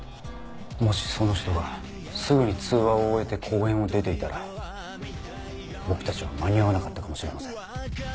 もしその人がすぐに通話を終えて公園を出ていたら僕たちは間に合わなかったかもしれません。